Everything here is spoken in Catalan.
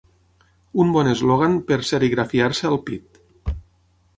Un bon eslògan per serigrafiar-se al pit.